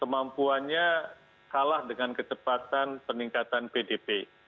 kemampuannya kalah dengan kecepatan peningkatan pdp